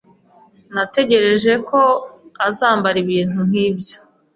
Natekereje ko azambara ibintu nkibyo.